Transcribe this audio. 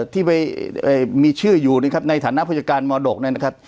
ที่มีชื่ออยู่ในฐานะผู้จักรรมรดกเนี่ยนะครับ